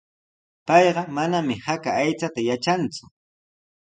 Payqa manami haka aychata yatranku.